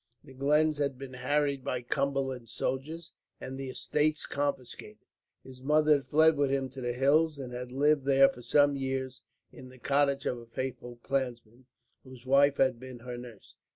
The glens had been harried by Cumberland's soldiers, and the estates confiscated. His mother had fled with him to the hills; and had lived there, for some years, in the cottage of a faithful clansman, whose wife had been her nurse.